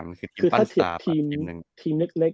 มันคือทีมปั้นสตาร์